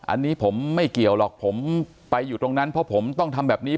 อันนี้ผมไม่เกี่ยวหรอกผมไปอยู่ตรงนั้นเพราะผมต้องทำแบบนี้